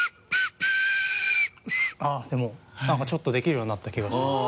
あっでもなんかちょっとできるようになった気がします。